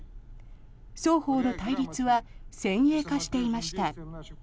双方の対立は先鋭化していました。